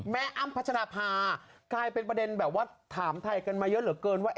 อ้ำพัชรภากลายเป็นประเด็นแบบว่าถามไทยกันมาเยอะเหลือเกินว่า